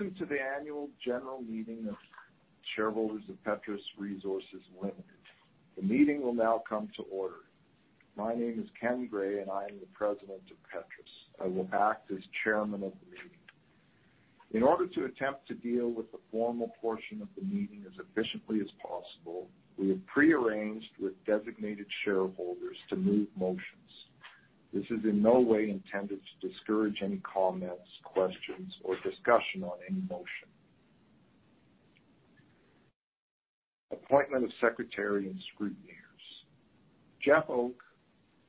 Welcome to the annual general meeting of shareholders of Petrus Resources Ltd. The meeting will now come to order. My name is Ken Gray, and I am the President of Petrus. I will act as Chairman of the meeting. In order to attempt to deal with the formal portion of the meeting as efficiently as possible, we have pre-arranged with designated shareholders to move motions. This is in no way intended to discourage any comments, questions, or discussion on any motion. Appointment of secretary and scrutineers. Jeff Oke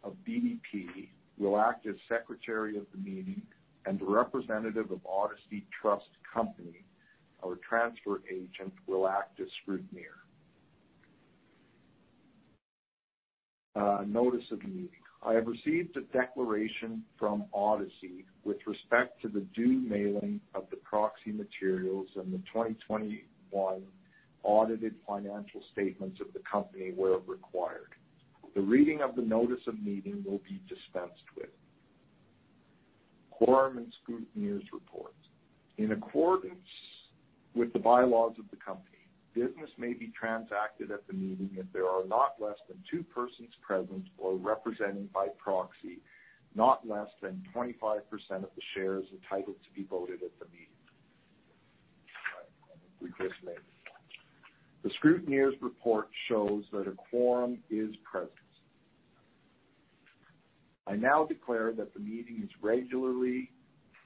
of BD&P will act as secretary of the meeting and a representative of Odyssey Trust Company, our transfer agent, will act as scrutineer. Notice of meeting. I have received a declaration from Odyssey with respect to the due mailing of the proxy materials and the 2021 audited financial statements of the company were required. The reading of the notice of meeting will be dispensed with. Quorum and scrutineers report. In accordance with the bylaws of the company, business may be transacted at the meeting if there are not less than two persons present or represented by proxy, not less than 25% of the shares entitled to be voted at the meeting. All right, we just made it. The scrutineers report shows that a quorum is present. I now declare that the meeting is regularly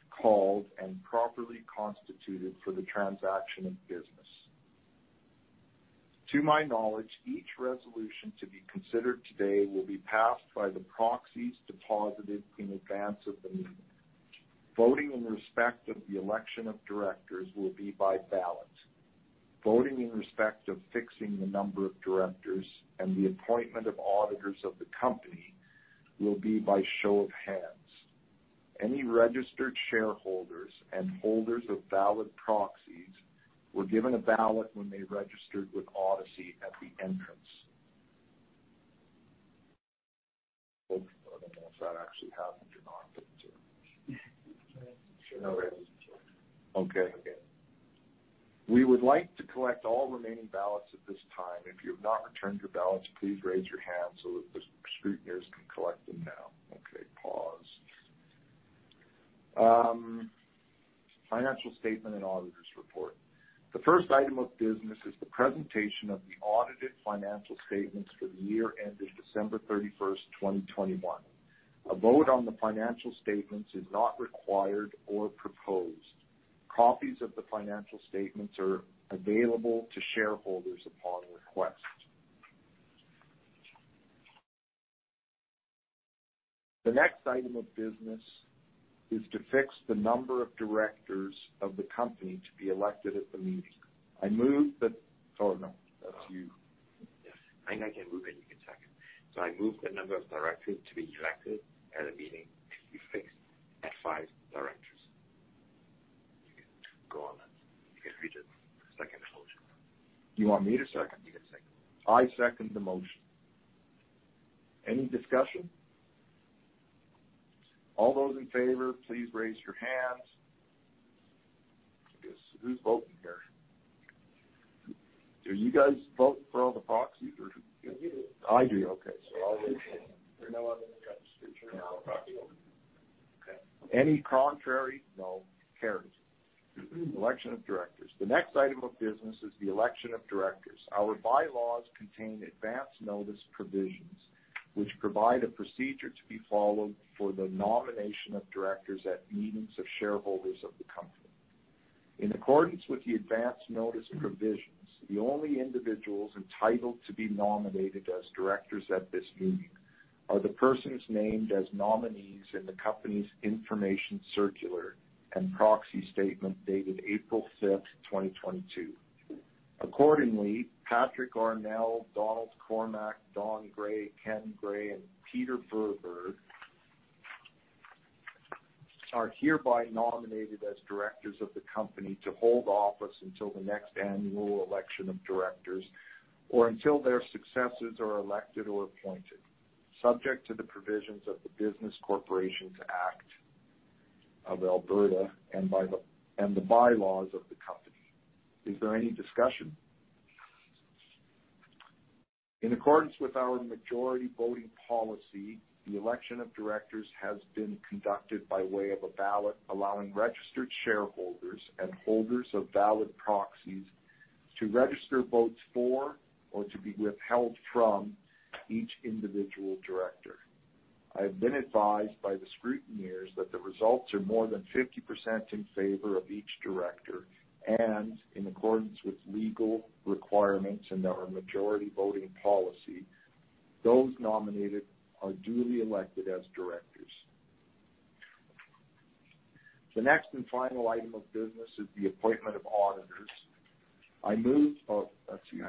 called and properly constituted for the transaction of business. To my knowledge, each resolution to be considered today will be passed by the proxies deposited in advance of the meeting. Voting in respect of the election of directors will be by ballot. Voting in respect of fixing the number of directors and the appointment of auditors of the company will be by show of hands. Any registered shareholders and holders of valid proxies were given a ballot when they registered with Odyssey at the entrance. I don't know if that actually happened or not. Yeah, sure. Okay. We would like to collect all remaining ballots at this time. If you have not returned your ballots, please raise your hands so that the scrutineers can collect them now. Okay, pause. Financial statement and auditor's report. The first item of business is the presentation of the audited financial statements for the year ending December 31, 2021. A vote on the financial statements is not required or proposed. Copies of the financial statements are available to shareholders upon request. The next item of business is to fix the number of directors of the company to be elected at the meeting. Oh, no. That's you. Yeah. I can move it. You can second. I move the number of directors to be elected at a meeting to be fixed at five directors. You can go on then. You can read it. Second the motion. You want me to second? You can second. I second the motion. Any discussion? All those in favor, please raise your hands. I guess, who's voting here? Do you guys vote for all the proxies or who? We do. I do. Okay. I'll raise my hand. There are no other than the scrutineers. Okay. Any contrary? No. Carried. Election of directors. The next item of business is the election of directors. Our bylaws contain advance notice provisions, which provide a procedure to be followed for the nomination of directors at meetings of shareholders of the company. In accordance with the advance notice provisions, the only individuals entitled to be nominated as directors at this meeting are the persons named as nominees in the company's information circular and proxy statement dated April 5, 2022. Accordingly, Patrick Arnell, Donald Cormack, Don Gray, Ken Gray, and Peter Verburg are hereby nominated as directors of the company to hold office until the next annual election of directors or until their successors are elected or appointed, subject to the provisions of the Business Corporations Act of Alberta and the bylaws of the company. Is there any discussion? In accordance with our majority voting policy, the election of directors has been conducted by way of a ballot, allowing registered shareholders and holders of valid proxies to register votes for or to be withheld from each individual director. I have been advised by the scrutineers that the results are more than 50% in favor of each director. In accordance with legal requirements and our majority voting policy, those nominated are duly elected as directors. The next and final item of business is the appointment of auditors. I move. Oh, that's you.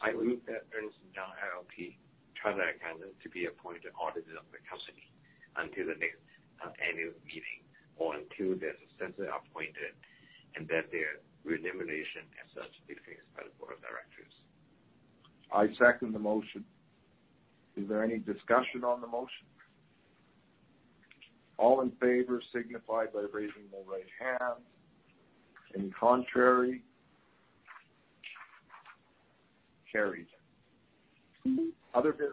I move that Ernst & Young LLP, chartered accountants, to be appointed auditors of the company until the next annual meeting or until their successors are appointed, and that their remuneration as such be fixed by the directors. I second the motion. Is there any discussion on the motion? All in favor signify by raising their right hand. Any contrary? Carried. Other than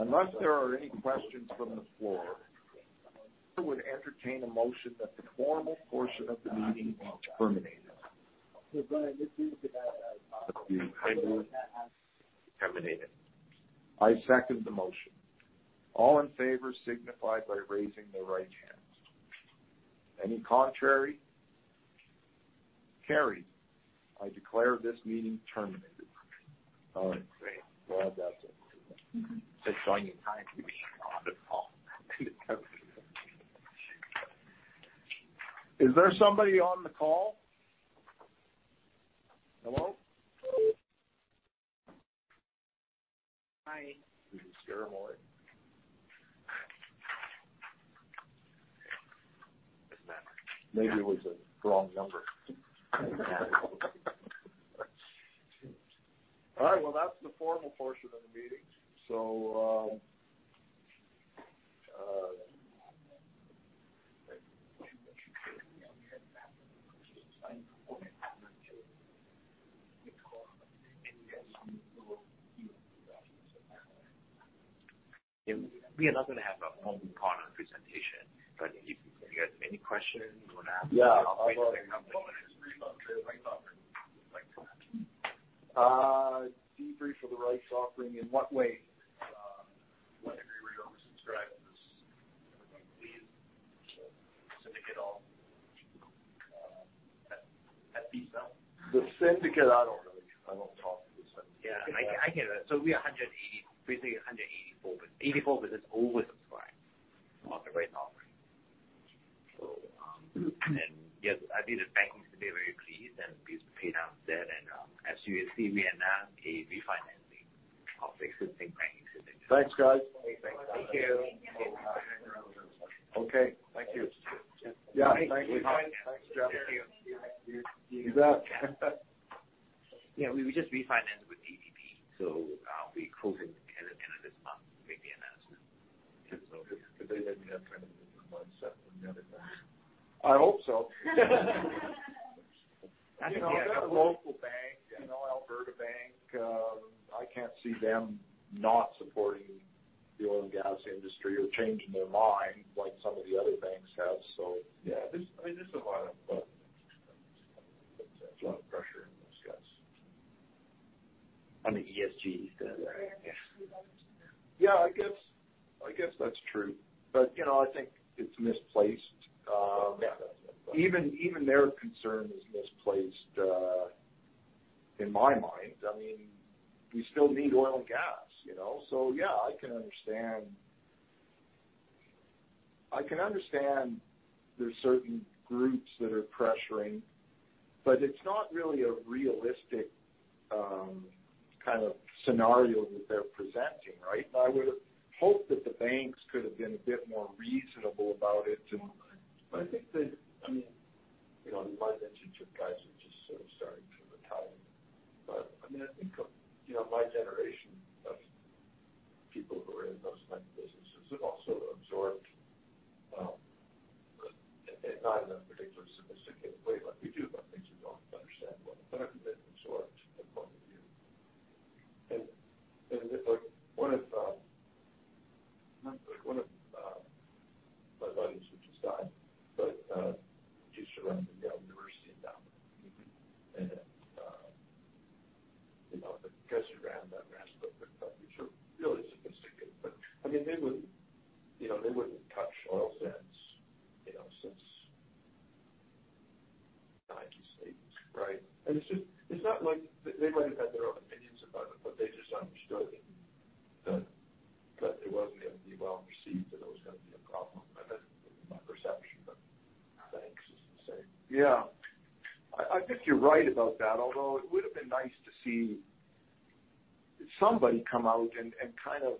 Unless there are any questions from the floor, I would entertain a motion that the formal portion of the meeting is terminated. Terminated. I second the motion. All in favor signify by raising their right hand. Any contrary? Carried. I declare this meeting terminated. All right, great. Well, that's it. Mm-hmm. It's time to join the call. Is there somebody on the call? Hello? Hi. Did you scare them away? Maybe it was a wrong number. All right. Well, that's the formal portion of the meeting. We are not gonna have a formal partner presentation, but if you guys have any questions you wanna ask. Yeah. I'll try to. What is the right offering? Debrief for the rights offering in what way? What degree we're oversubscribed, everything, please. Syndicate all at BMO. The syndicate, I don't know. I don't talk to the syndicate. We are 180, basically 184, but 84% oversubscribed on the rights offering. I believe the bankers should be very pleased to pay down debt. As you see an announcement of a refinancing of existing banking facilities. Thanks, guys. Thanks. Thank you. Okay. Thank you. Yeah. Thank you. Thanks, Trevor. Thank you. Exactly. Yeah, we just refinanced with ATB, so I'll be closing at the end of this month, make the announcement. Because they let me have kind of month's set from the other guy. I hope so. You know, a local bank, you know, Alberta bank, I can't see them not supporting the oil and gas industry or changing their mind like some of the other banks have. Yeah, this, I mean, this is a lot of pressure in those guys. On the ESG. Yeah, I guess that's true. You know, I think it's misplaced. Even their concern is misplaced in my mind. I mean, we still need oil and gas, you know. Yeah, I can understand there's certain groups that are pressuring, but it's not really a realistic kind of scenario that they're presenting, right? I would've hoped that the banks could have been a bit more reasonable about it. I mean, you know, my mentorship guys are just sort of starting to retire. I mean, I think, you know, my generation of people who are in those type of businesses have also absorbed, not in a particularly sophisticated way, like we do, but things we don't understand well, but I think they've absorbed the point of view. Like, one of my buddies who just died, but he used to run the Yale University Endowment. You know, the guys who ran that ran some of the companies were really sophisticated, but I mean, they would, you know, they wouldn't touch oil since, you know, since 1980s, right? It's just, it's not like they might have had their own opinions about it, but they just understood that it wasn't going to be well received, that it was gonna be a problem. My perception of banks is the same. Yeah. I think you're right about that. Although it would have been nice to see somebody come out and kind of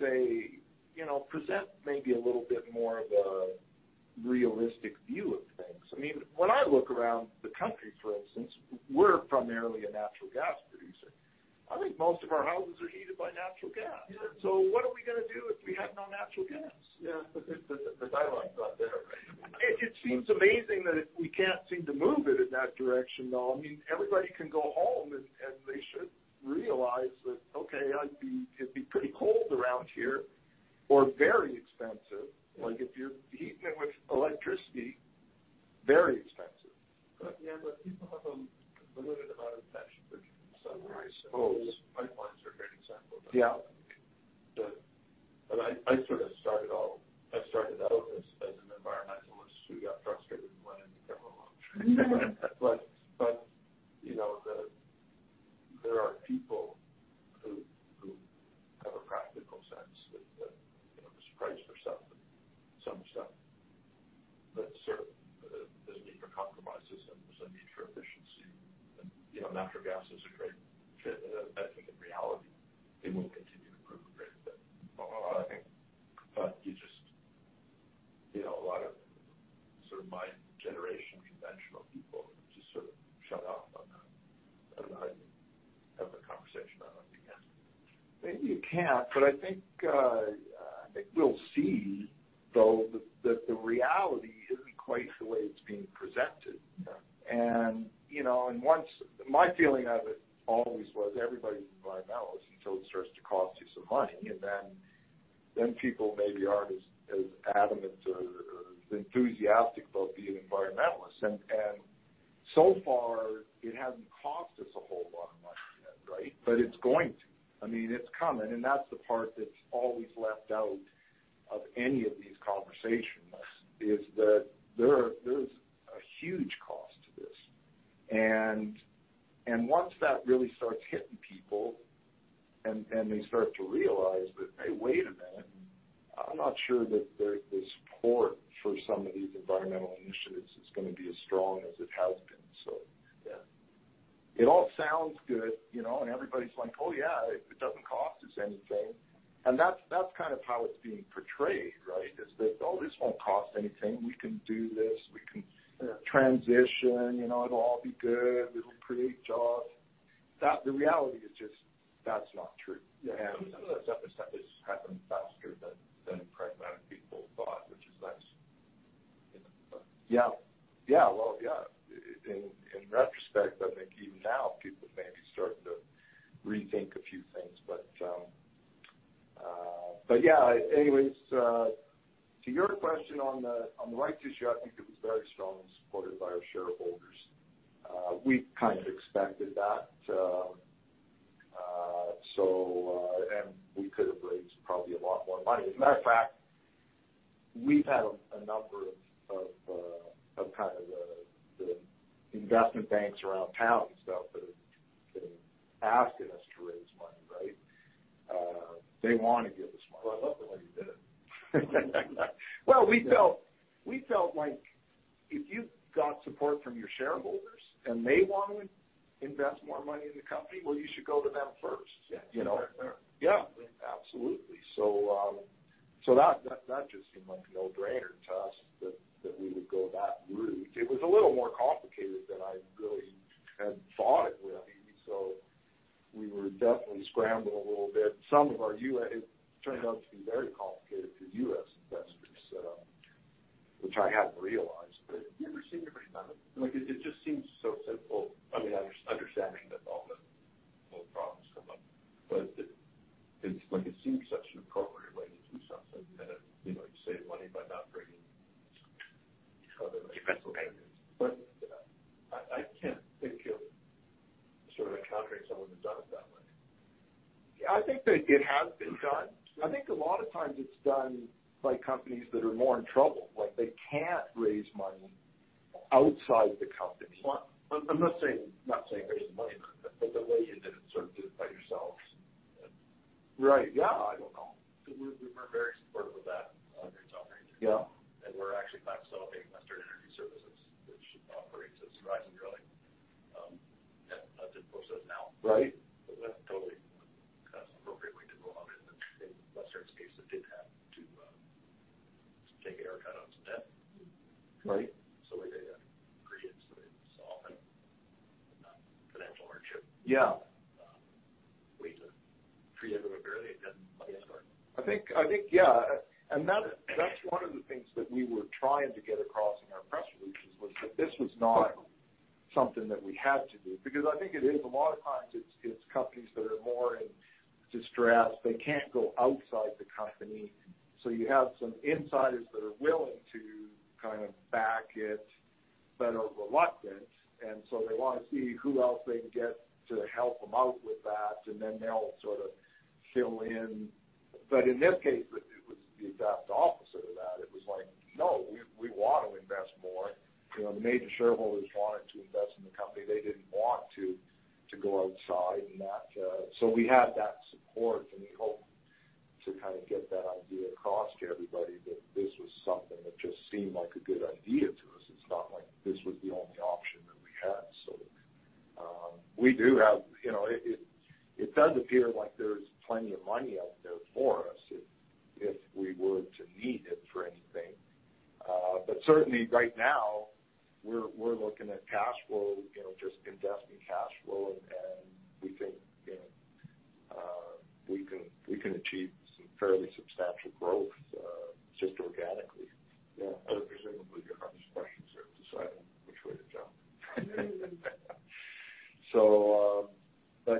say, you know, present maybe a little bit more of a realistic view of things. I mean, when I look around the country, for instance, we're primarily a natural gas producer. I think most of our houses are heated by natural gas. Yeah. What are we gonna do if we have no natural gas? Yeah. The timeline's not there. It seems amazing that we can't seem to move it in that direction, though. I mean, everybody can go home and they should realize that, okay, It'd be pretty cold around here or very which is nice. Yeah. Well, yeah. In retrospect, I think even now people are maybe starting to rethink a few things. Yeah. Anyways, to your question on the rights issue, I think it was very strongly supported by our shareholders. We kind of expected that. We could have raised probably a lot more money. As a matter of fact, we've had a number of kind of the investment banks around town and stuff that have been asking us to raise money, right? They wanna give us money. Well, I love the way you did it. Well, we felt like if you've got support from your shareholders and they wanna invest more money in the company, well, you should go to them first. Yeah. You know? Fair. Yeah, absolutely. That just seemed like a no-brainer to us that we would go that route. It was a little more complicated than I really had thought it would be, so we were definitely scrambling a little bit. It turned out to be very complicated for U.S. investors, which I hadn't realized. It never seemed very kind of like, it just seems so simple. I mean, understanding that all the little problems come up, but it's like it seems such an appropriate way to do something that, you know, save money by not bringing other investors. But I can't think of sort of encountering someone who's done it that way. Yeah, I think that it has been done. I think a lot of times it's done by companies that are more in trouble, like they can't raise money outside the company. Well, I'm not saying raising money, but the way you did it, sort of do it by yourselves. Right. Yeah. I don't know. We're very supportive of that on your top range. Yeah. We're actually about to sell Western Energy Services, which operates as Horizon Drilling, and that's the process now. Right. That's totally kind of appropriate way to go about it. In Western's case, it did have to take a haircut on some debt. Right. We did appreciate solving financial hardship. Yeah. Way to treat everybody fairly and get money in the door. I think, yeah. That, that's one of the things that we were trying to get across in our press releases, was that this was not something that we had to do. Because I think it is a lot of times it's companies that are more in distress. They can't go outside the company, so you have some insiders that are willing to kind of back it but are reluctant, and so they wanna see who else they can get to help them out with that, and then they'll sort of fill in. In this case, it was the exact opposite of that. It was like, "No, we want to invest more." You know, the major shareholders wanted to invest in the company. They didn't want to go outside and that. We had that support, and we hope to kind of get that idea across to everybody, that this was something that just seemed like a good idea to us. It's not like this was the only option that we had. We do have. You know, it does appear like there's plenty of money out there for us if we were to need it for anything. But certainly right now we're looking at cash flow, you know, just investing cash flow, and we think, you know, we can achieve some fairly substantial growth just organically. Yeah. Presumably your hardest question is deciding which way to jump.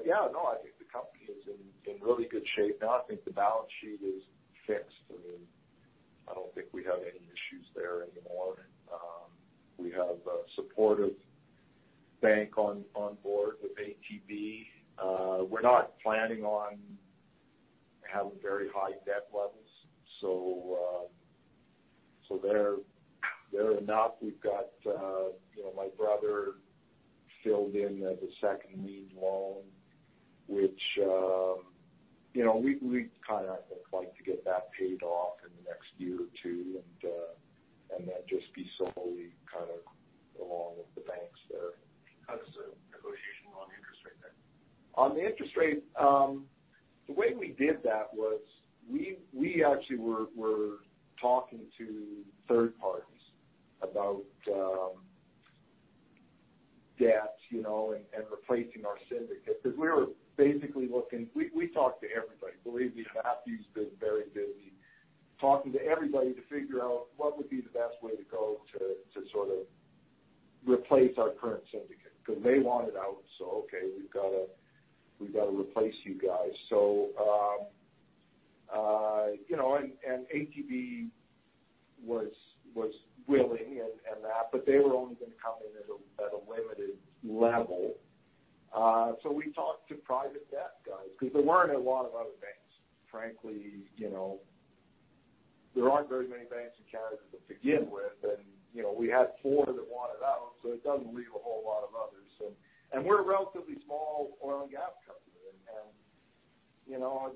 Yeah, no, I think the company is in really good shape now. I think the balance sheet is fixed. I mean, I don't think we have any issues there anymore. We have a supportive bank on board with ATB. We're not planning on having very high debt levels, so they're enough. We've got, you know, my brother filled in as a second lien loan, which, you know, we kind of would like to get that paid off in the next year or two. On the interest rate, the way we did that was we actually were talking to third parties about debt, you know, and replacing our syndicate. Because we were basically looking. We talked to everybody. Believe me, Mathew's been very busy talking to everybody to figure out what would be the best way to go to sort of replace our current syndicate because they wanted out. Okay, we've got to replace you guys. You know, and ATB was willing and that, but they were only gonna come in at a limited level. We talked to private debt guys because there weren't a lot of other banks, frankly. You know, there aren't very many banks in Canada to begin with. We're a relatively small oil and gas company and, you know,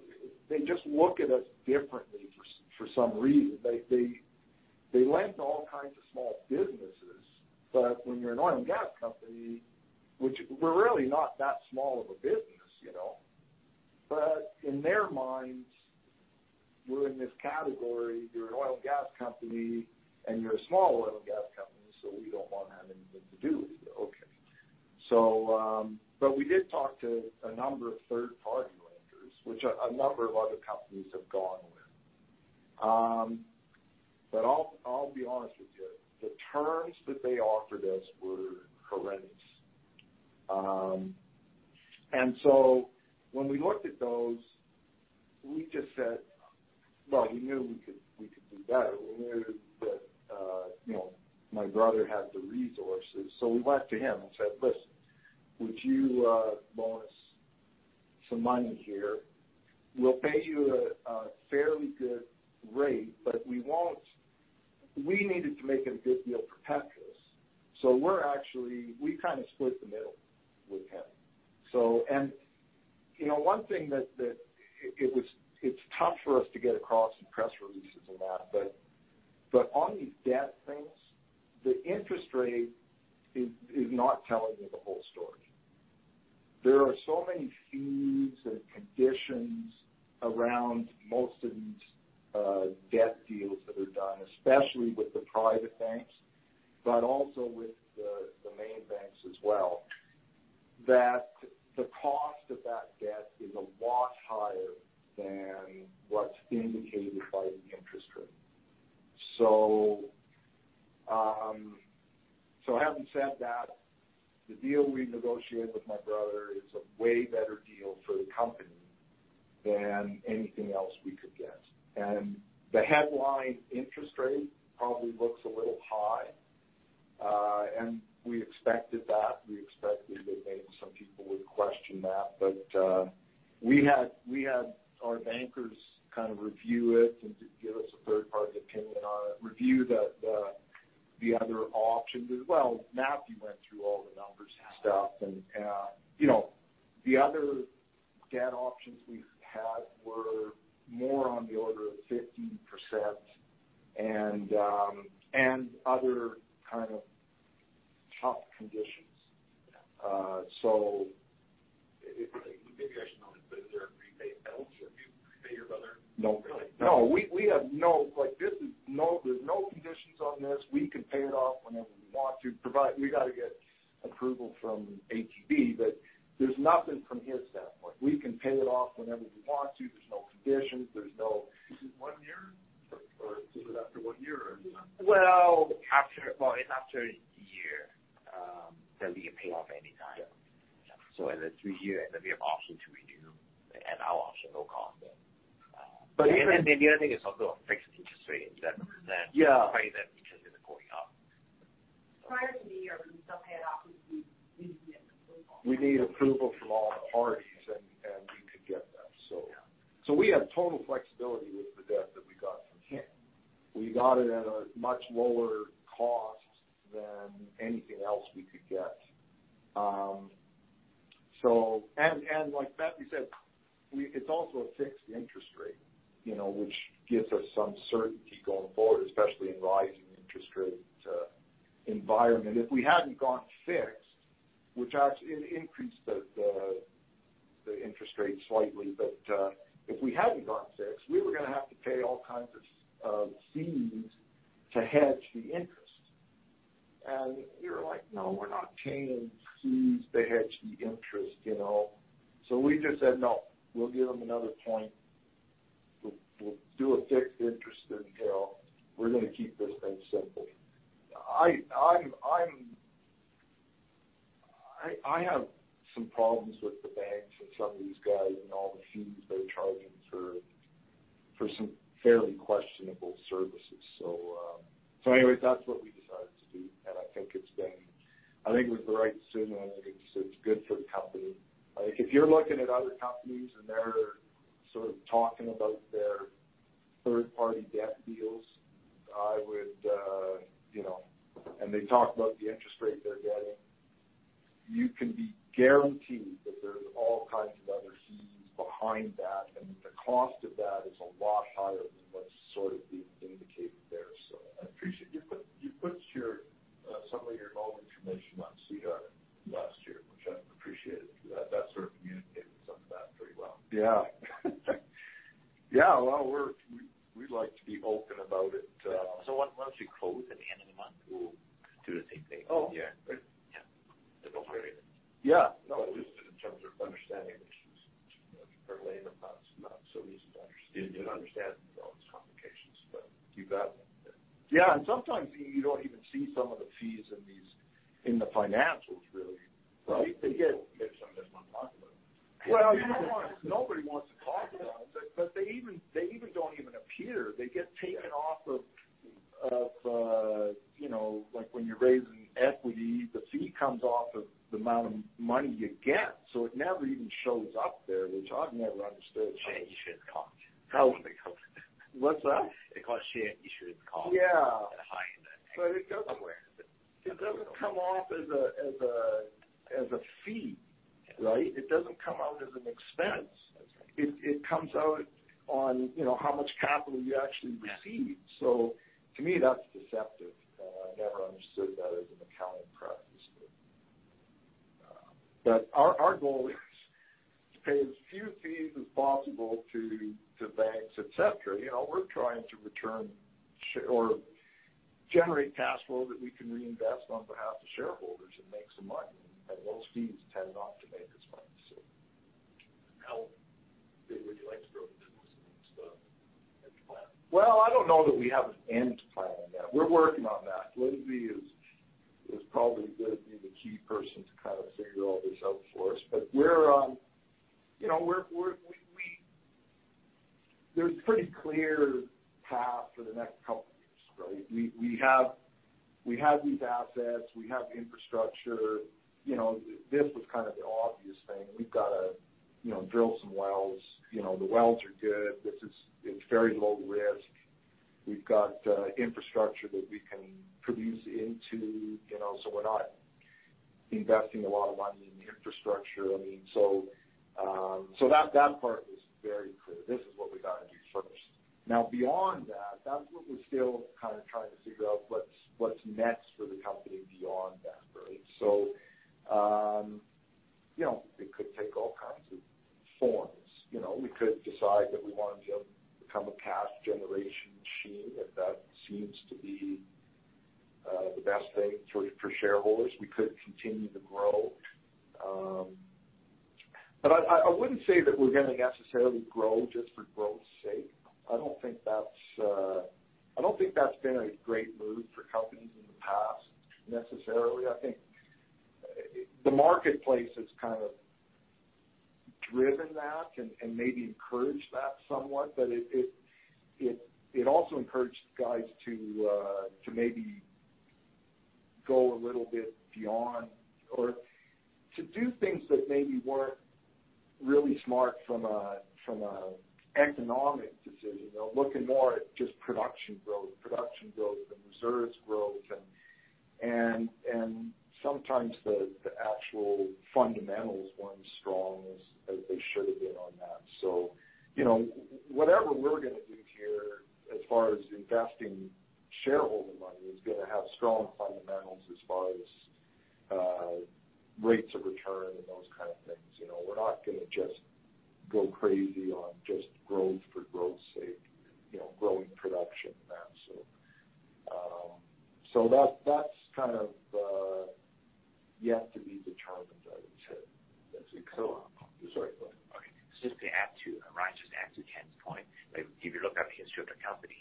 they just look at us differently for some reason. They lend to all kinds of small businesses, but when you're an oil and gas company, which we're really not that small of a business, you know? But in their minds, we're in this category, you're an oil and gas company, and you're a small oil and gas company, so we don't want to have anything to do with you. Okay. We did talk to a number of third-party lenders, which a number of other companies have gone with. I'll be honest with you, the terms that they offered us were horrendous. When we looked at those, we just said. Well, we knew we could do better. We knew that, you know, my brother had the resources. We went to him and said, "Listen, would you loan us some money here? We'll pay you a fairly good rate, but we won't. We needed to make a good deal for Petrus. We actually kind of split the difference with him. You know, one thing, it's tough for us to get across in press releases and that, but on these debt things, the interest rate is not telling you the whole story. There are so many fees and conditions around most of these debt deals that are done, especially with the private banks, but also with the main banks as well, that the cost of that debt is a lot higher than what's indicated by the interest rate. Having said that, the deal we negotiated with my brother is a way better deal for the company than anything else we could get. The headline interest rate probably looks a little high, and we expected that. We expected that maybe some people would question that. We had our bankers kind of review it and to give us a third-party opinion on it, review the other options as well. Mathew went through all the numbers and stuff and, you know, the other debt options we've had were more on the order of 50% and other kind of tough conditions. Maybe I should know this, but is there a repayment penalty if you pay your brother? No. Like, there's no conditions on this. We can pay it off whenever we want to, provided we got to get approval from ATB, but there's nothing from his standpoint. We can pay it off whenever we want to. There's no conditions. Is it one year or is it after one year or? Well, it's after a year that we can pay off anytime. Yeah. In the three years, and then we have option to renew and our option, no cost. But even- The other thing is also a fixed interest rate that represents. Yeah. the payment because it's going up. Prior to the year, when you prepay it off, would you get approval? We need approval from all the parties, and we could get that. Yeah. We have total flexibility with the debt that we got from him. We got it at a much lower cost than anything else we could get. Like Matthew said, it's also a fixed interest rate, you know, which gives us some certainty going forward, especially in rising interest rate environment. If we hadn't gone fixed, which actually increased the interest rate slightly. If we hadn't gone fixed, we were gonna have to pay all kinds of fees to hedge the interest. We were like, "No, we're not paying fees to hedge the interest," you know. We just said, "No, we'll give them another point. We'll do a fixed interest and, you know, we're gonna keep this thing simple." I have some problems with the banks and some of these guys and all the fees they're charging for some fairly questionable services. Anyways, that's what we decided to do, and I think it's been. I think it was the right decision and it's good for the company. Like, if you're looking at other companies and they're sort of talking about their third-party debt deals, I would, you know. They talk about the interest rate they're getting, you can be guaranteed that there are all kinds of other fees behind that, and the cost of that is a lot higher than what's sort of being indicated. Sure. Some of your involvement information on Cedar last year, which I appreciated. That sort of communicated some of that pretty well. Yeah. Yeah. Well, we like to be open about it. Once we close at the end of the month, we'll do the same thing. Oh. Yeah. Yeah. Yeah. No, just in terms of understanding issues, you know, early in the months, not so easy to understand all these complications. You got them. Yeah. Sometimes you don't even see some of the fees in these, in the financials, really. They get- Maybe some of them not talk about it. Well, you don't want to. Nobody wants to talk about them. But they even don't even appear. They get taken off of, you know, like when you're raising equity, the fee comes off of the amount of money you get. It never even shows up there, which I've never understood. Share issuance cost. How? What's that? They're called share issuance costs. Yeah. They're hiding that somewhere. It doesn't come off as a fee, right? It doesn't come out as an expense. It comes out on, you know, how much capital you actually receive. To me, that's deceptive. I never understood that as an accounting practice. Our goal is to pay as few fees as possible to banks, et cetera. You know, we're trying to generate cash flow that we can reinvest on behalf of shareholders and make some money. Those fees tend not to make us money. How big would you like to grow the business in the next end plan? Well, I don't know that we have an end plan on that. We're working on that. Lindsay is probably gonna be the key person to kind of figure all this out for us. We're, you know, there's pretty clear path for the next couple of years, right? We have these assets, we have infrastructure. You know, this was kind of the obvious thing. We've got to, you know, drill some wells. You know, the wells are good. It's very low risk. We've got infrastructure that we can produce into, you know, so we're not investing a lot of money in infrastructure. I mean, so that part is very clear. This is what we gotta do first. Now, beyond that's what we're still kind of trying to figure out, what's next for the company beyond that, right? You know, it could take all kinds of forms. You know, we could decide that we want to become a cash generation machine, if that seems to be the best thing for shareholders. We could continue to grow. I wouldn't say that we're gonna necessarily grow just for growth's sake. I don't think that's been a great move for companies in the past necessarily. I think the marketplace has kind of driven that and maybe encouraged that somewhat. It also encouraged guys to maybe go a little bit beyond or to do things that maybe weren't really smart from a economic decision. You know, looking more at just production growth and reserves growth and sometimes the actual fundamentals weren't as strong as they should have been on that. You know, whatever we're gonna do here as far as investing shareholder money is gonna have strong fundamentals as far as rates of return and those kind of things. You know, we're not gonna just go crazy on just growth for growth's sake, you know, growing production and that. That's kind of yet to be determined, I would say, as we go. Sorry, go ahead. Okay. Ryan, just to add to Ken's point, like if you look at the history of the company,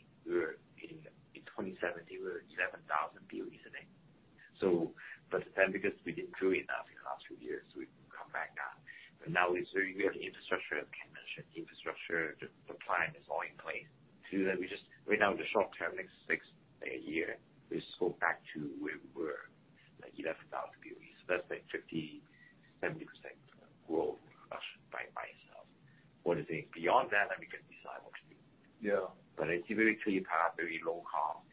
we were hitting in 2017, we were at 11,000 BOE a day. Then because we didn't do enough in the last few years, we've come back down. Now we have the infrastructure, as Ken mentioned. The plan is all in place. Right now, in the short term, next six, say a year, we just go back to where we were, like 11,000 BOE. That's like 50%-70% growth by myself. What I think beyond that, we can decide what to do. Yeah. It's typically a path of very low cost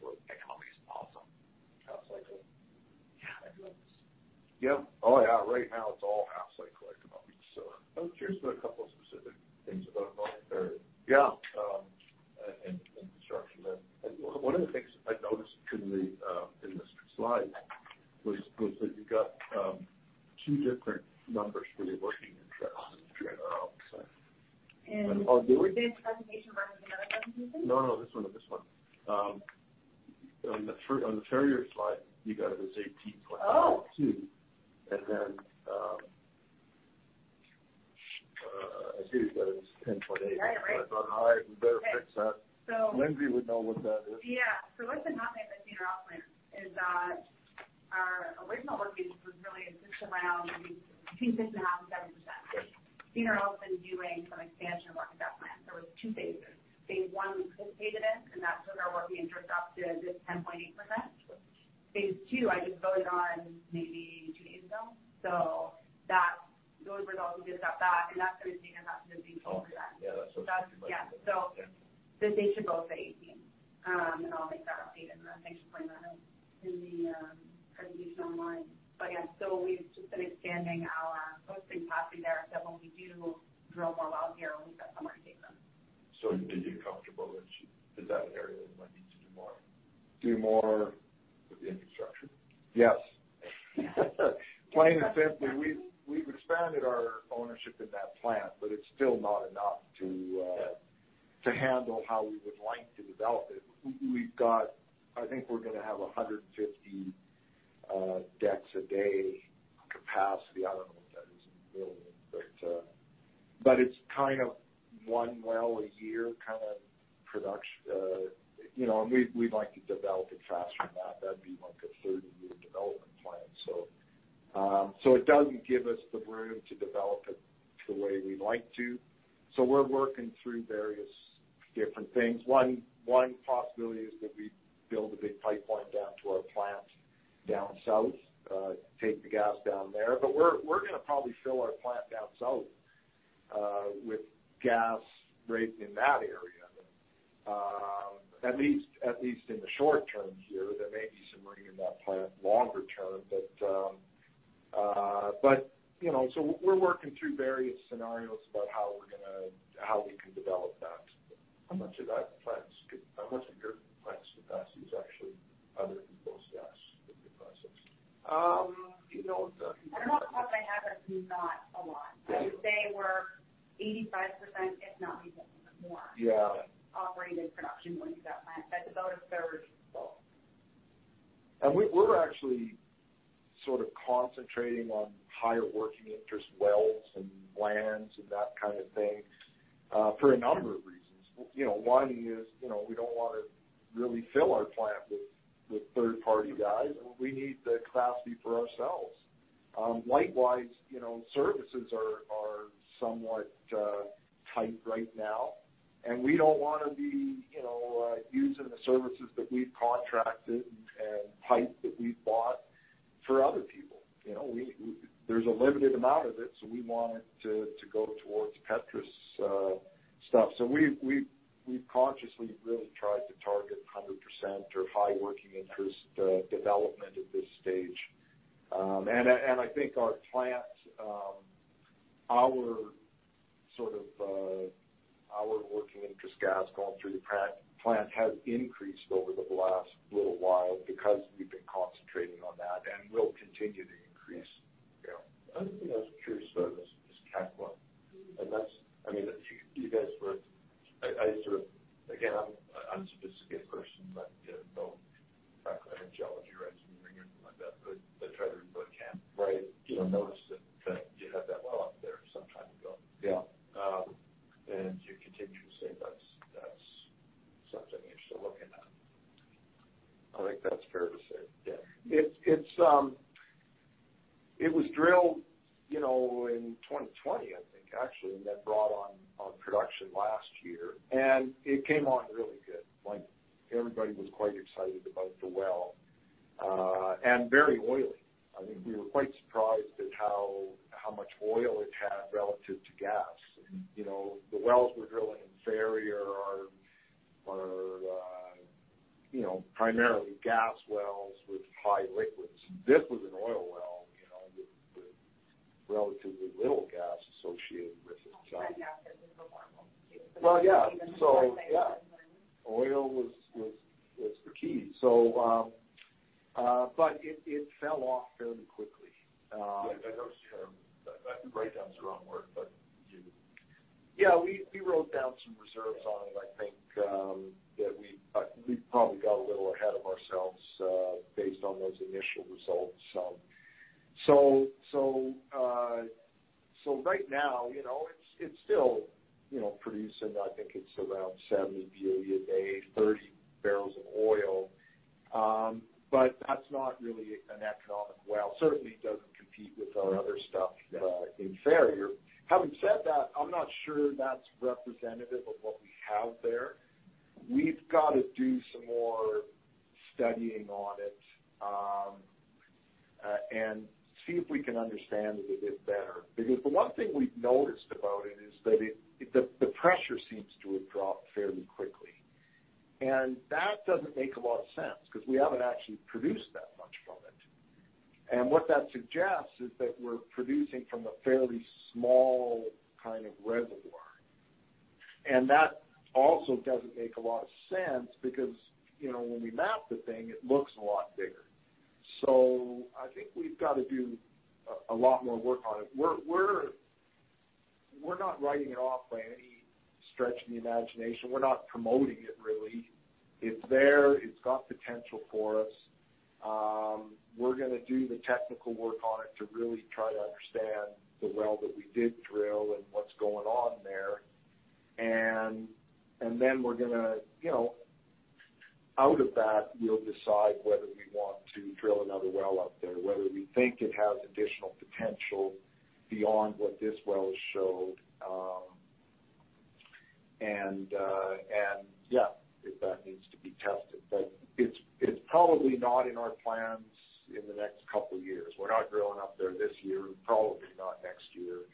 we've expanded our ownership in that plant, but it's still not enough to handle how we would like to develop it. We've got. I think we're gonna have 150 dekatherms a day capacity. I don't know what that is in million, but it's kind of one well a year kinda production. You know, and we'd like to develop it faster than that. That'd be like a 30-year development plan. It doesn't give us the room to develop it the way we'd like to, so we're working through various different things. One possibility is that we build a big pipeline down to our plant down south, take the gas down there. But we're gonna probably fill our plant down south with gas raised in that area. At least in the short term here. There may be some bringing in that plant longer term, but, you know. We're working through various scenarios about how we can develop that. How much of your plant's capacity is actually other people's gas that you're processing? You know, it's. I don't know the numbers offhand, but it's not a lot. I would say we're 85%, if not even more. Yeah Operating in production when we've got plants. That's about a 1/3 full. We're actually sort of concentrating on higher working interest wells and lands and that kind of thing, for a number of reasons. You know, one is, you know, we don't wanna really fill our plant with third party guys. We need the capacity for ourselves. Likewise, you know, services are somewhat tight right now, and we don't wanna be using the services that we've contracted and pipe that we've bought for other people. You know, there's a limited amount of it, so we want it to go towards Petrus stuff. So we've consciously really tried to target 100% or high working interest development at this stage. I think our working interest gas going through the plant has increased over the last little while because we've been concentrating on that and will continue to increase. Yeah. The other thing I was curious about is CAGR. I mean, you guys were. I sort of. Again, I'm an unsophisticated person. I don't practice geology or engineering or anything like that, but I try to keep on top. Right. You know, I noticed that you had that well up there some time ago. Yeah. You continue to say that's something you're still looking at. I think that's fair to say. Yeah. It was drilled, you know, in 2020, I think, actually, and then brought on production last year. It came on really good. Like, everybody was quite excited about the well, and very oily. I think we were quite surprised at how much oil it had relative to gas. You know, the wells we're drilling in Ferrier are, you know, primarily gas wells with high liquids. This was an oil well, you know, with relatively little gas associated with it. Well, yeah. Yeah, oil was the key. But it fell off fairly quickly. Yeah. I noticed you wrote down the wrong word, but you- Yeah, we wrote down some reserves on it, I think, that we probably got a little ahead of ourselves, based on those initial results. So right now, you know, it's still, you know, producing, I think it's around 70 BOE a day, 30 barrels of oil. That's not really an economic well. Certainly, it doesn't compete with our other stuff in Ferrier. Having said that, I'm not sure that's representative of what we have there. We've got to do some more studying on it and see if we can understand it a bit better. Because the one thing we've noticed about it is that it, the pressure seems to have dropped fairly quickly. That doesn't make a lot of sense because we haven't actually produced that much from it. What that suggests is that we're producing from a fairly small kind of reservoir. That also doesn't make a lot of sense because, you know, when we map the thing, it looks a lot bigger. I think we've got to do a lot more work on it. We're not writing it off by any stretch of the imagination. We're not promoting it, really. It's there. It's got potential for us. We're gonna do the technical work on it to really try to understand the well that we did drill and what's going on there. Out of that, we'll decide whether we want to drill another well out there, whether we think it has additional potential beyond what this well showed. If that needs to be tested. It's probably not in our plans in the next couple of years. We're not drilling up there this year, probably not next year.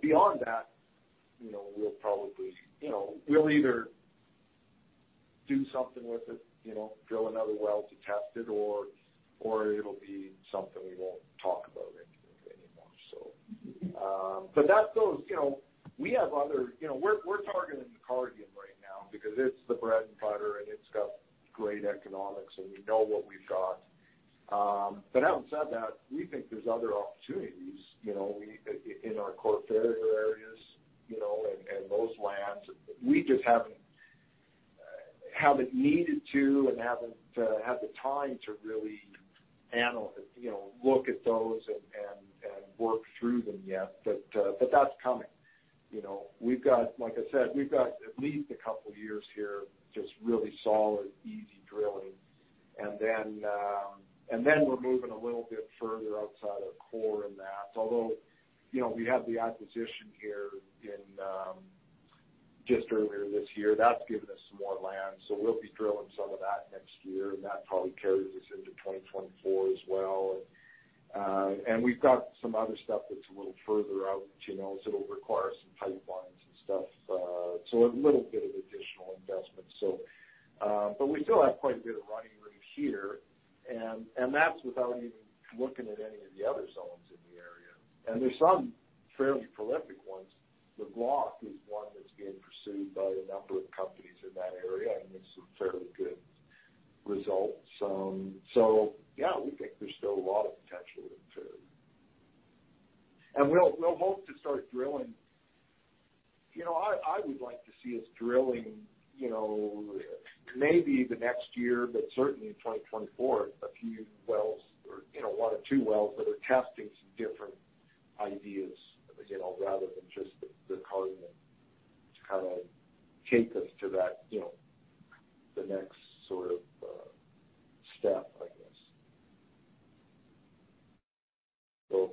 Beyond that, you know, we'll either do something with it, you know, drill another well to test it or it'll be something we won't talk about it anymore. You know, we're targeting the Cardium right now because it's the bread and butter, and it's got great economics, and we know what we've got. Having said that, we think there's other opportunities, you know, in our core area, you know, and those lands. We just haven't needed to and haven't had the time to really you know, look at those and work through them yet. That's coming. You know, like I said, we've got at least a couple years here, just really solid, easy drilling. We're moving a little bit further outside our core in that. Although, you know, we have the acquisition here in just earlier this year. That's given us some more land, so we'll be drilling some of that next year, and that probably carries us into 2024 as well. We've got some other stuff that's a little further out, you know, so it'll require some pipelines and stuff. A little bit of additional investment. We still have quite a bit of running room here, and that's without even looking at any of the other zones in the area. There's some fairly prolific ones. Le Blanc is one that's being pursued by a number of companies in that area, and there's some fairly good results. Yeah, we think there's still a lot of potential there too. We'll hope to start drilling. You know, I would like to see us drilling, you know, maybe the next year, but certainly in 2024, a few wells or, you know, one or two wells that are testing some different ideas, you know, rather than just the Cardium to kinda take us to that, you know, the next sort of step, I guess.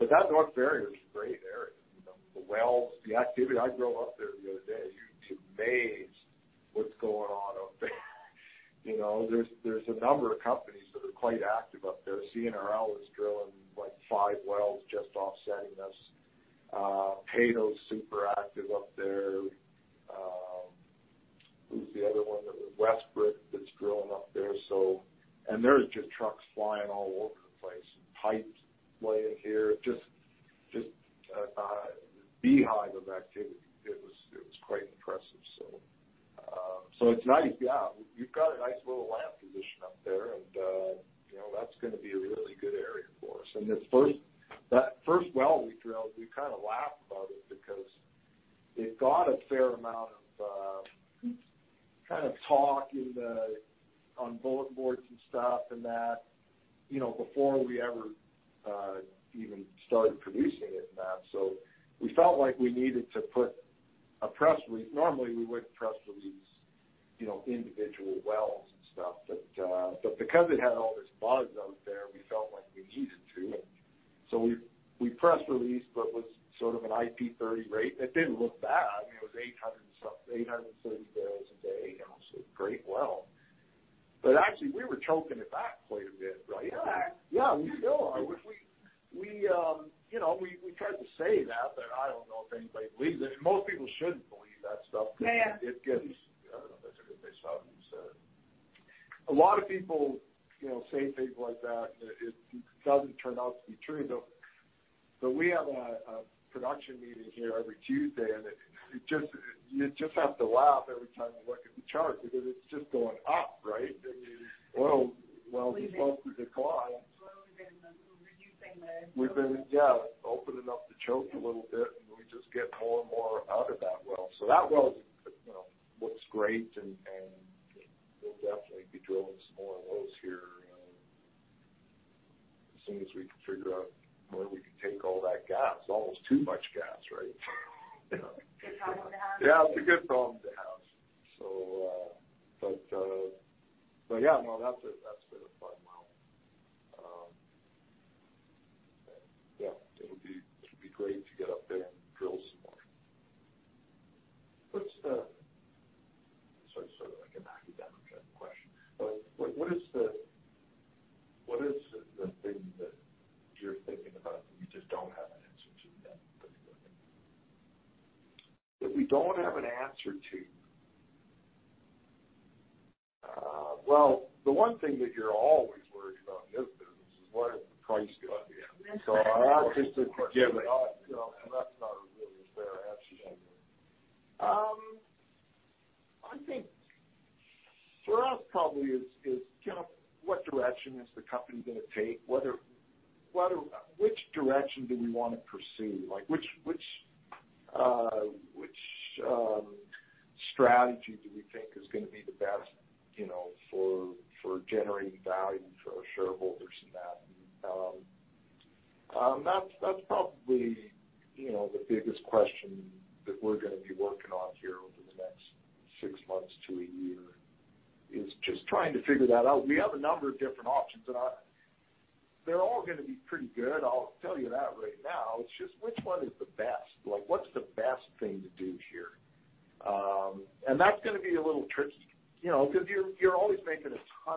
That North Ferrier is a great area. The wells, the activity. I drove up there the other day. You'd be amazed what's going on up there. You know, there's a number of companies that are quite active up there. CNRL is drilling, like, five wells just offsetting us. Peyto's super active up there. Who's the other one? Westbrick, that's drilling up there. There's just trucks flying all over the place and pipes laying here. A beehive of activity. It was quite impressive. It's nice. Yeah. We've got a nice little land position up there and, you know, that's gonna be a really good area for us. That first well we drilled, we kinda laughed about it because it got a fair amount of kind of talk on bulletin boards and stuff, and that, you know, before we ever even started producing it and that. We felt like we needed to put a press release. Normally, we wouldn't press release, you know, individual wells and stuff. Because it had all this buzz out there, we felt like we needed to. We press released what was sort of an IP30 rate. It didn't look bad. I mean, it was 830 barrels a day. You know, so great well. Actually, we were choking it back quite a bit. Right? Yeah. Yeah. We still are. You know, we tried to say that, but I don't know if anybody believes it. Most people shouldn't believe that stuff. Yeah. I don't know if that's a good place to stop. You said it. A lot of people, you know, say things like that, it doesn't turn out to be true. Though we have a production meeting here every Tuesday, and you just have to laugh every time you look at the chart because it's just going up, right? I mean, well, we spoke to decline. Well, we've been reducing the choke. We've been, yeah, opening up the choke a little bit, and we just get more and more out of that well. So that well, you know, looks great and we'll definitely be drilling some more of those here, as soon as we can figure out where we can take all that gas. Almost too much gas, right? You know. Good problem to have. Yeah, it's a good problem to have. That's been a fun well. Yeah, it'll be great to get up there and drill some more. Sorry, like an academic type of question. What is the thing that you're thinking about that you just don't have an answer to yet that you're looking at? That we don't have an answer to? Well, the one thing that you're always worried about in this business is what is the price gonna be at? Yes. Our strategy given, you know, and that's not really a fair answer. I think for us probably is, you know, what direction is the company gonna take? Which direction do we wanna pursue? Like, which strategy do we think is gonna be the best, you know, for generating value for our shareholders and that? That's probably, you know, the biggest question that we're gonna be working on here over the next six months to a year, is just trying to figure that out. We have a number of different options. They're all gonna be pretty good, I'll tell you that right now. It's just which one is the best? Like, what's the best thing to do here? That's gonna be a little tricky. You know, 'cause you're always making a ton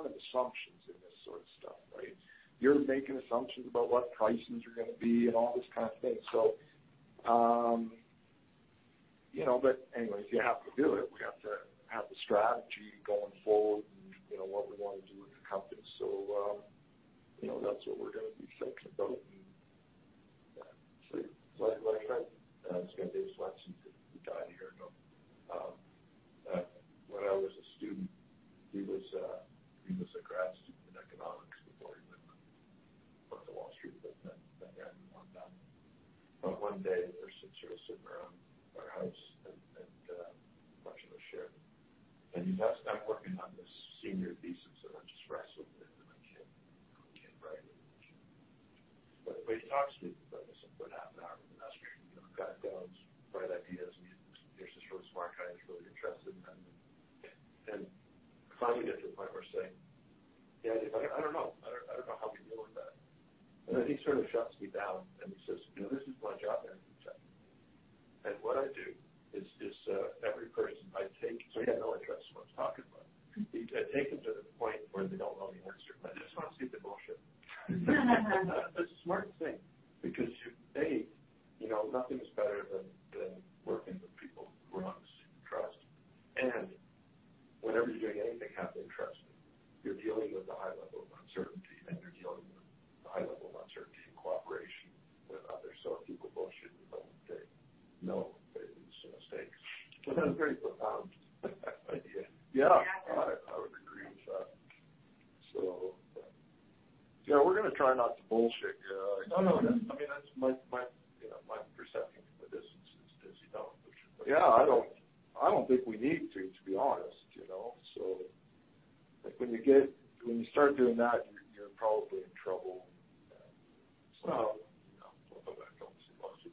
of assumptions. You're making assumptions about what prices are gonna be and all this kind of thing. You know, but anyways, you have to do it. We have to have the strategy going forward, and you know, what we wanna do with the company. You know, that's what we're gonna be thinking about. Yeah. I said, this guy David Swensen, who died a year ago, when I was a student, he was a grad student in economics before he went on to Wall Street, but then ended up on that. One day we're sitting around our house, and lunch was shared. I'm working on this senior thesis, and I'm just wrestling with it, and I can't write it. He talks to me for like, I don't know, sort of half an hour, and I'm just kind of going through bright ideas, and he's just this really smart guy who's really interested in them. Finally we get to the point where we're saying, "Yeah, I don't know. I don't know how we deal with that. He sort of shuts me down and he says, "You know, this is my job every day." He's like, "And what I do is every person I take." He had no interest in what I was talking about. He said, "I take them to the point where they don't know the answer, but I just wanna see if they bullshit." That's a smart thing because you know, nothing's better than working with people who earn our trust. Whenever you're doing anything having trust, you're dealing with a high level of uncertainty, and you're dealing with a high level of uncertainty in cooperation with others. If people bullshit you, then they know they lose the stakes. It's a very profound idea. Yeah. Yeah. I would agree with that. Yeah, we're gonna try not to bullshit here. No, no. That's. I mean, that's my, you know, my perception from a distance is you don't bullshit. Yeah. I don't think we need to be honest, you know. Like when you start doing that, you're probably in trouble. Well, you know, we'll come back and see how much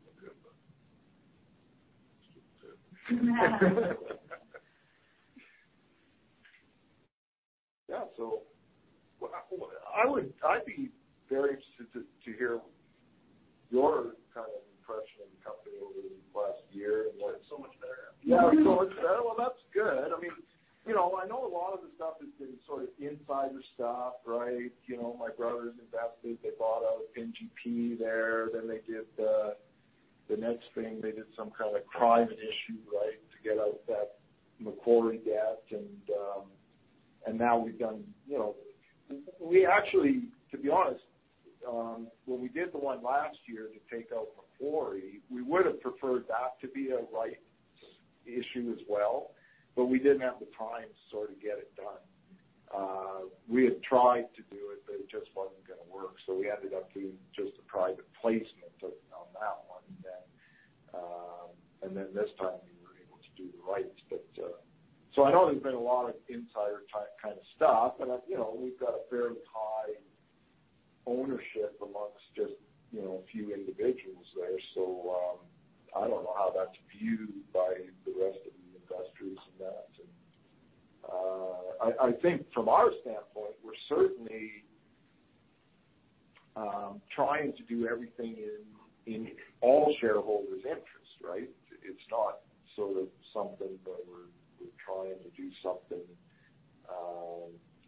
you can do, but. Yeah. I'd be very interested to hear your kind of impression of the company over the last year and what It's so much better. Yeah. It's better? Well, that's good. I mean, you know, I know a lot of the stuff has been sort of insider stuff, right? You know, my brothers invested, they bought out NGP there. Then they did the next thing, they did some kind of private issue, right, to get out that Macquarie debt. Now we've done, you know. We actually, to be honest, when we did the one last year to take out Macquarie, we would have preferred that to be a rights issue as well, but we didn't have the time to sort of get it done. We had tried to do it, but it just wasn't gonna work. We ended up doing just a private placement on that one then. This time we were able to do the rights. I know there's been a lot of insider kind of stuff, but, you know, we've got a very high ownership among just, you know, a few individuals there. I don't know how that's viewed by the rest of the investors in that. I think from our standpoint, we're certainly trying to do everything in all shareholders' interests, right? It's not sort of something where we're trying to do something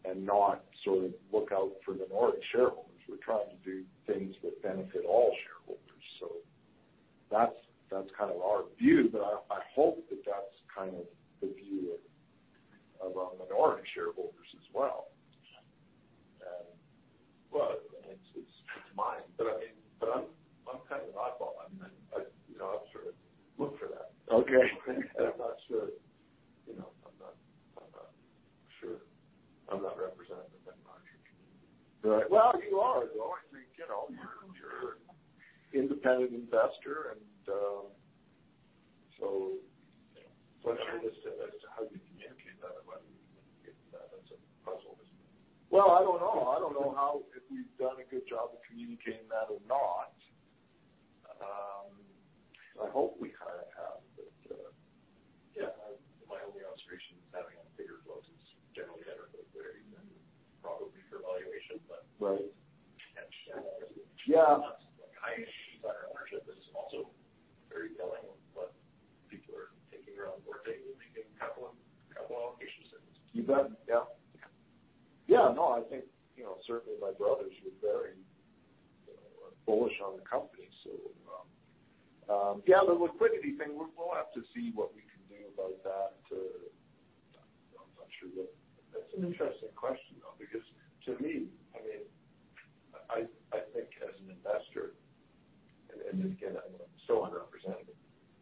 and not sort of look out for the minority shareholders. We're trying to do things that benefit all shareholders. That's kind of our view, but I hope that that's kind of the view of our minority shareholders as well. Well, it's mine. I mean, I'm kind of an oddball. I mean, you know, I sort of look for that. Okay. I'm not sure, you know. I'm not sure. I'm not representing them much. Right. Well, you are though. I think, you know, you're an independent investor and, so. Well, as to how you communicate that or whether you communicate that's a puzzle, isn't it? Well, I don't know. I don't know how, if we've done a good job of communicating that or not. I hope we kind of have, but. Yeah. My only observation is having bigger flows is generally better for liquidity and probably for valuation, but. Right. Share ownership. Yeah. Like high issues on our ownership is also very telling on what people are thinking around the board table, making a couple of allocations. You bet. Yeah. Yeah. No, I think, you know, certainly my brothers were very, bullish on the company. Yeah, the liquidity thing, we'll have to see what we can do about that. I'm not sure. That's an interesting question, though, because to me, I mean, I think as an investor, and again, I'm still unrepresentative,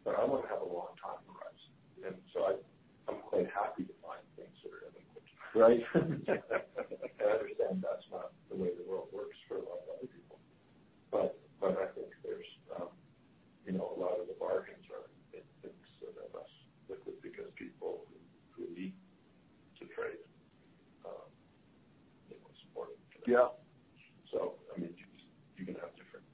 but I wanna have a long time horizon. I'm quite happy to find things that are illiquid. Right. I understand that's not the way the world works for a lot of other people. I think there's, you know, a lot of the bargains are in things that are less liquid because people who need to trade, you know, support it. Yeah. I mean, you can have different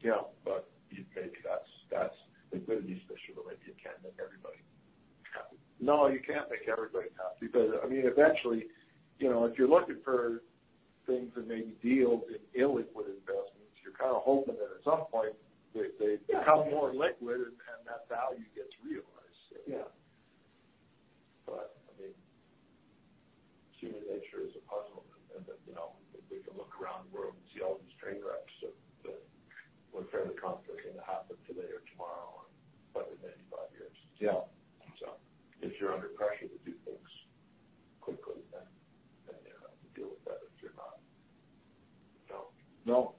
shareholders with different priorities, and maybe the way you do stuff will attract people who like the way you do stuff. Yeah. You take that's liquidity special. I think you can't make everybody happy. No, you can't make everybody happy because, I mean, eventually, you know, if you're looking for things that maybe deals in illiquid investments, you're kinda hoping that at some point they become more liquid and that value gets realized. Yeah. I mean, human nature is a puzzle and that, you know, we can look around the world and see all these train wrecks that we're fairly confident aren't gonna happen today or tomorrow, but in 85 years. Yeah. If you're under pressure to do things quickly, then you have to deal with that if you're not. No? No.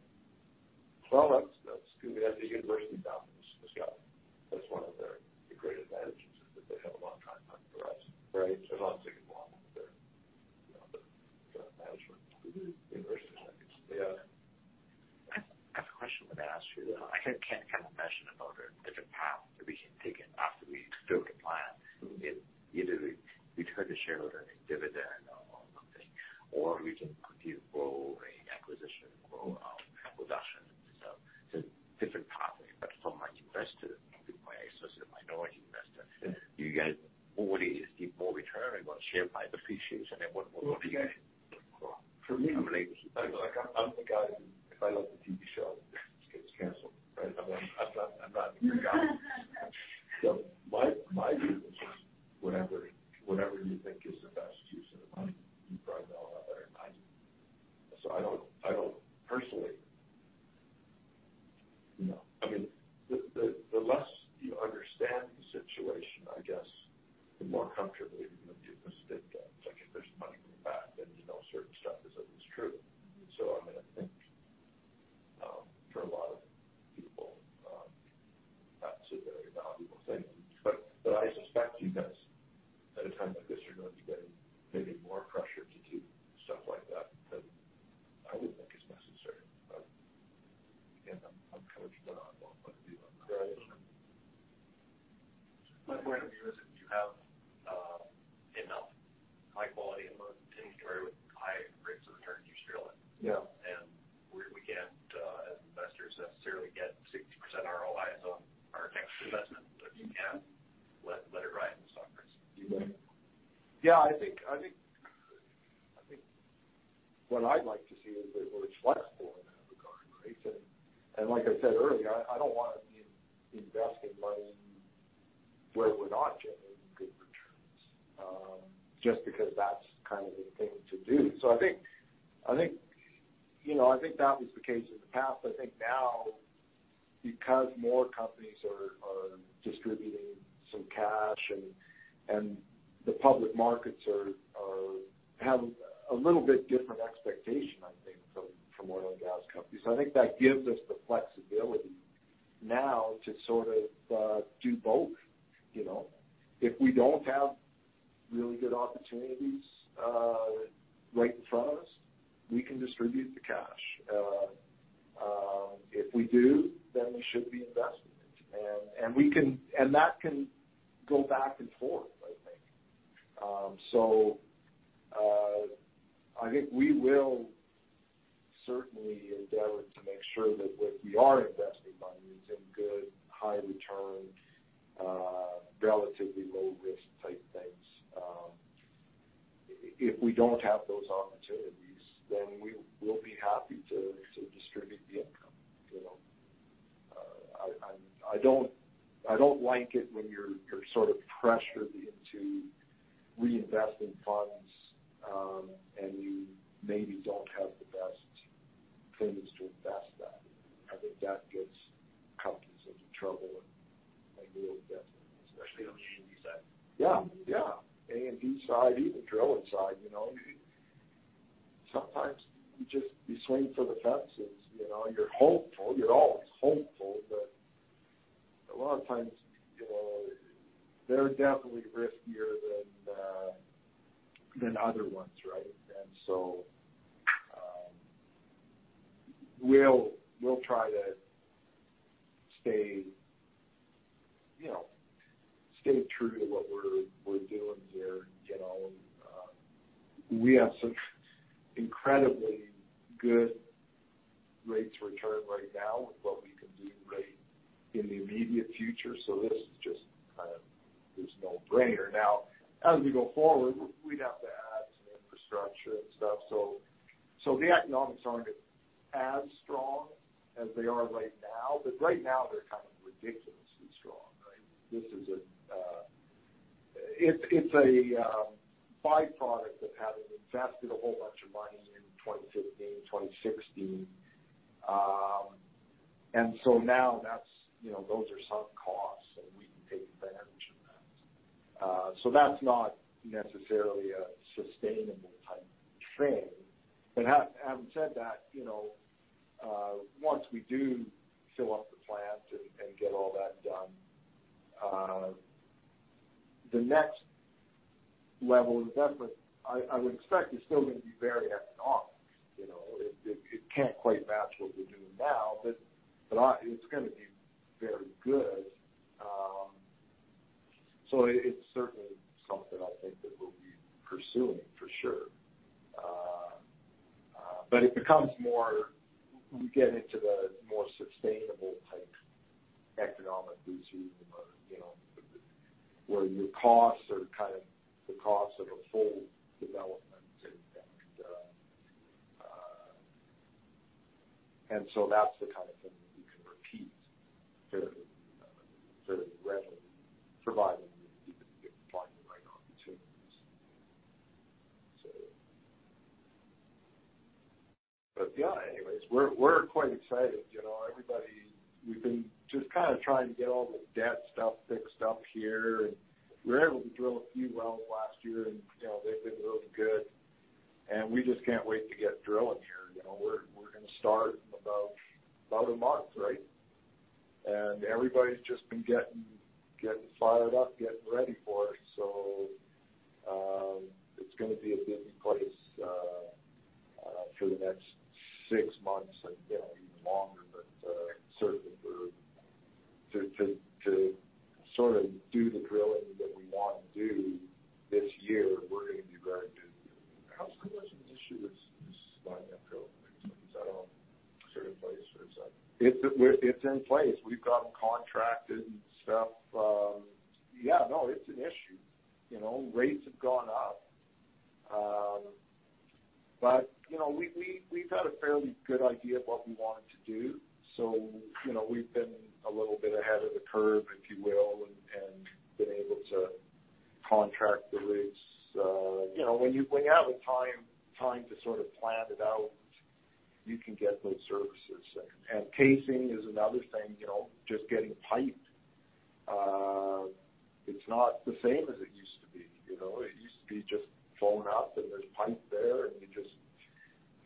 We can't, as investors, necessarily get 60% ROIs on our next investment. If you can, let it ride in the stock price. Yeah. I think what I'd like to see is that we're flexible in that regard, right? Like I said earlier, I don't wanna be investing money where we're not getting good returns, just because that's kind of the thing to do. I think you know, I think that was the case in the past. I think now because more companies are distributing some cash and the public markets have a little bit different expectation, I think, from oil and gas companies. I think that gives us the flexibility now to sort of do both, you know. If we don't have really good opportunities right in front of us, we can distribute the cash. If we do, then we should be investing. That can go back and forth, I think. I think we will certainly endeavor to make sure that what we are investing money is in good, high return, relatively low risk type things. If we don't have those opportunities, then we will be happy to distribute the income, you know. I don't like it when you're sort of pressured into reinvesting funds, and you maybe don't have the best things to invest that. I think that gets companies into trouble and they really get. Especially on the A&D side. Yeah, yeah. A&D side, even drilling side, you know. Sometimes you just swing for the fences, you know. You're hopeful. You're always hopeful, but a lot of times, you know, they're definitely riskier than other ones, right? We'll try to stay true to what we're doing here, you know. We have some incredibly good rates of return right now with what we can do right in the immediate future. This is just kind of a no-brainer. Now, as we go forward, we'd have to add some infrastructure and stuff. The economics aren't as strong as they are right now, but right now they're kind of ridiculously strong, right? It's a by-product of having invested a whole bunch of money in 2015, 2016. Now that's, you know, those are sunk costs, and we can take advantage of that. That's not necessarily a sustainable type of thing. Having said that, you know, once we do fill up the plant and get all that done, the next level of investment I would expect is still gonna be very economic. You know, it can't quite match what we're doing now, but it's gonna be very good. It's certainly something I think that we'll be pursuing for sure. But it becomes more that we've seen where, you know, where your costs are kind of the cost of a full development. That's the kind of thing that you can repeat fairly readily, providing you keep finding the right opportunities. Yeah. Anyways, we're quite excited. You know, everybody, we've been just kinda trying to get all the debt stuff fixed up here, and we were able to drill a few wells last year and, you know, they've been real good. We just can't wait to get drilling here. You know, we're gonna start in about a month, right? Everybody's just been getting fired up, getting ready for it. It's gonna be a busy place for the next six months and, you know, even longer. Certainly to sort of do the drilling that we want to do this year, we're gonna be very busy. How's commercial issue with supplying that drill certain place where it's like? It's in place. We've got them contracted and stuff. Yeah, no, it's an issue. You know, rates have gone up. But, you know, we've had a fairly good idea of what we wanted to do. So, you know, we've been a little bit ahead of the curve, if you will, and been able to contract the rates. You know, when you have the time to sort of plan it out, you can get those services. Casing is another thing, you know, just getting pipe. It's not the same as it used to be, you know. It used to be just phoning up, and there's pipe there, and you just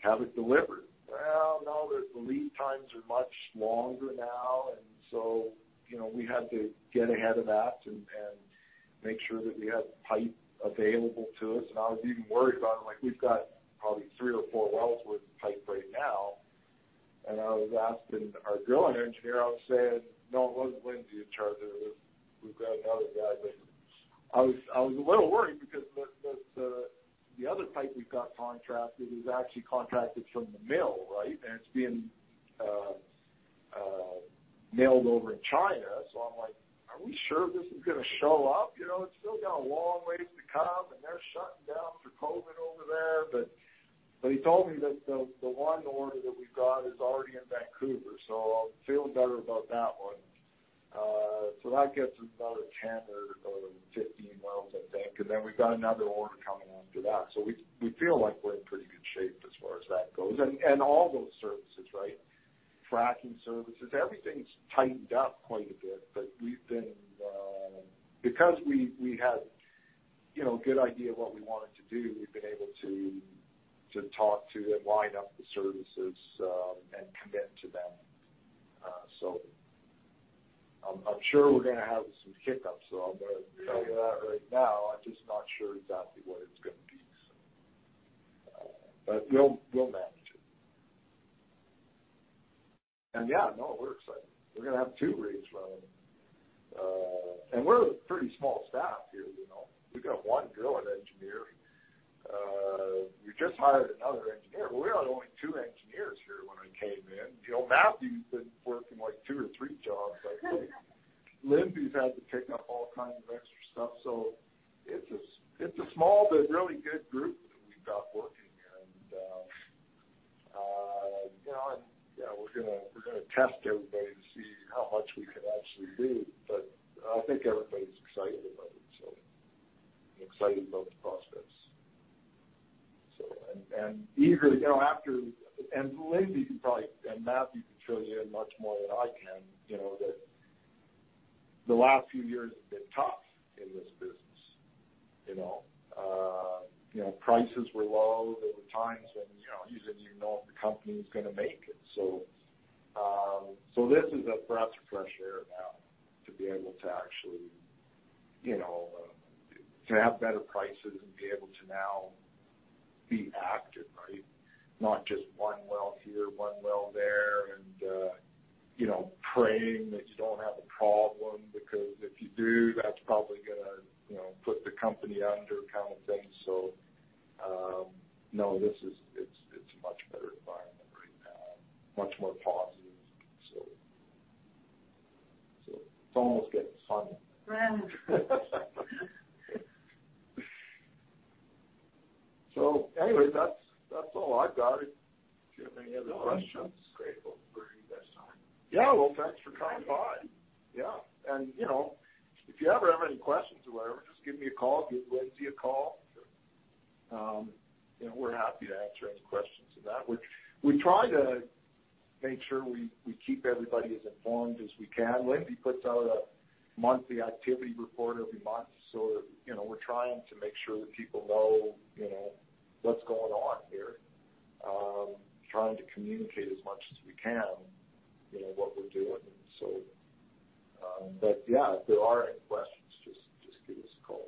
have it delivered. Well, now, the lead times are much longer now. You know, we had to get ahead of that and make sure that we had pipe available to us. I was even worried about it. Like, we've got probably three or four wells worth of pipe right now. I was asking our drilling engineer. No, it wasn't Lindsay in charge of it. It was another guy. I was a little worried because the other pipe we've got contracted is actually contracted from the mill, right? It's being milled over in China. I'm like: "Are we sure this is gonna show up?" You know, it's still got a long way to come, and they're shutting down for COVID over there. He told me that the one order that we've got is already in Vancouver, so I'm feeling better about that one. That gets us another 10 or 11, 15 wells, I think. We've got another order coming in after that. We feel like we're in pretty good shape as far as that goes. All those services, right? Fracking services. Everything's tightened up quite a bit. Because we had, you know, a good idea of what we wanted to do, we've been able to talk to and line up the services and commit to them. I'm sure we're gonna have some hiccups, so I'm gonna tell you that right now. I'm just not sure exactly where it's gonna be. We'll manage it. Yeah, no, we're excited. We're gonna have two rigs running. We're a pretty small staff here, you know. We've got one drilling engineer. We just hired another engineer. We had only two engineers here when I came in. You know, Matthew's been working, like, two or three jobs, I think. Lindsay's had to pick up all kinds of extra stuff. So it's a small but really good group that we've got working. We're gonna test everybody to see how much we can actually do. But I think everybody's excited about it, so excited about the prospects. Eager, you know, after. Lindsay could probably and Matthew could fill you in much more than I can, you know, that the last few years have been tough in this business, you know. You know, prices were low. There were times when, you know, you didn't even know if the company was gonna make it. This is a breath of fresh air now to be able to actually, you know, to have better prices and be able to now be active, right? Not just one well here, one well there, and praying that you don't have a problem, because if you do, that's probably gonna put the company under kind of thing. No, this is. It's a much better environment right now. Much more positive. It's almost getting fun. Right. Anyway, that's all I've got. Do you have any other questions? No. I'm just grateful for your time. Well, thanks for coming by. You know, if you ever have any questions or whatever, just give me a call, give Lindsay a call. You know, we're happy to answer any questions of that. We try to make sure we keep everybody as informed as we can. Lindsay puts out a monthly activity report every month. You know, we're trying to make sure that people know, you know, what's going on here. Trying to communicate as much as we can, you know, what we're doing. Yeah, if there are any questions, just give us a call.